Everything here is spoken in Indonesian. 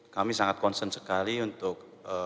kami sangat concern sekali untuk